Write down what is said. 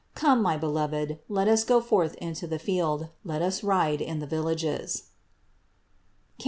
Come, my beloved, let us go forth into the field, let us ride in the villages" (Cant.